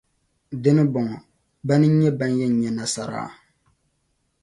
Di ni bɔŋɔ, bana n-nyɛ ban yɛn nya nasara?